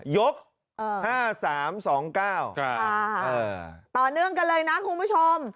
๕๓๒๙ต่อเนื่องกันเลยนะคุณผู้ชม